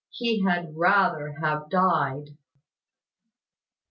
He had rather have died.